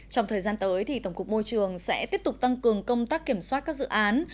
trong thời gian tới thì tổng cục môi trường sẽ tiếp tục tăng cường công tác kiểm soát các dự án